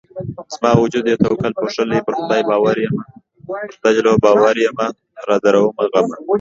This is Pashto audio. زما وجود يې توکل پوښلی پر خدای ج باور يمه رادرومه غمه